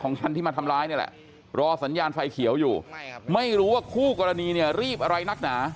คันที่มาทำร้ายนี่แหละรอสัญญาณไฟเขียวอยู่ไม่รู้ว่าคู่กรณีเนี่ยรีบอะไรนักหนา